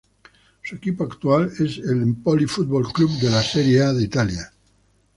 Su equipo actual es el Empoli Football Club de la Serie A de Italia.